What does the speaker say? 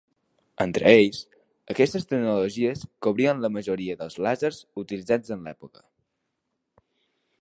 Entre ells, aquestes tecnologies cobrien la majoria dels làsers utilitzats en l'època.